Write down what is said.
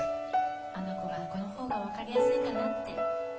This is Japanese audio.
あの子がこの方がわかりやすいかなって